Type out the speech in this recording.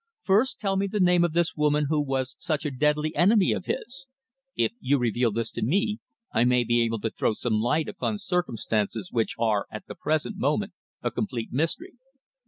"First tell me the name of this woman who was such a deadly enemy of his. If you reveal this to me, I may be able to throw some light upon circumstances which are at the present moment a complete mystery."